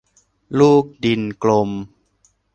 ลูกดินกลม